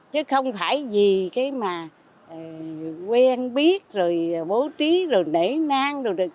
chứ không phải vì cái mà quen biết rồi bố trí rồi nể nang rồi